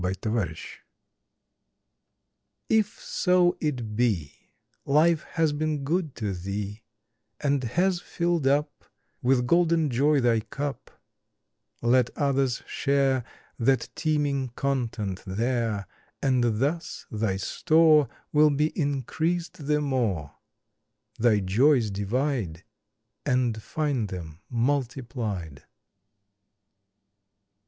February Tenth PROFIT SHARING TF so it be Life has been good to thee, And has filled up With golden joy thy cup, Let others share That teeming content there, And thus thy store Will be increased the more Thy joys divide And find them multiplied.